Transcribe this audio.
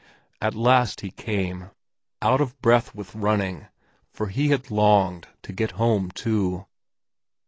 At last he came, out of breath with running, for he had longed to get home too.